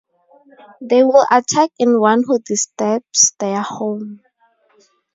They will attack anyone who disturbs their home.